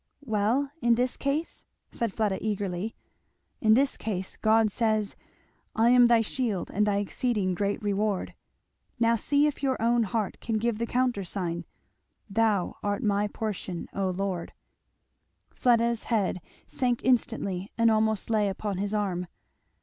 "Well in this case?" said Fleda eagerly. "In this case, God says, 'I am thy shield, and thy exceeding great reward.' Now see if your own heart can give the countersign, 'Thou art my portion, O Lord!'" Fleda's head sank instantly and almost lay upon his arm.